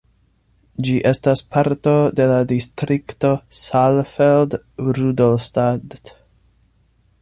Ĝi estas parto de la distrikto Saalfeld-Rudolstadt.